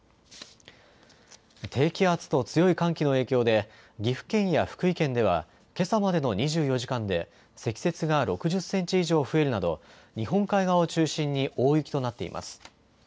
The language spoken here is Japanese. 低気圧と強い寒気の影響で岐阜県や福井県ではけさまでの２４時間で積雪が６０センチ以上増えるなど日本海側を中心に大雪となっています。